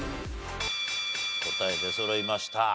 答え出そろいました。